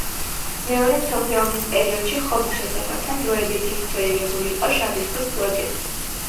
მეორე მსოფლიო ომის პერიოდში ხობის შესართავთან დროებით დისლოცირებული იყო შავი ზღვის ფლოტი.